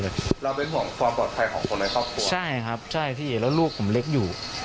เราเป็นห่วงความปลอดภัยของคนในครอบครัวใช่ครับใช่พี่แล้วลูกผมเล็กอยู่